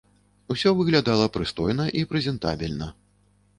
Усё выглядала прыстойна і прэзентабельна.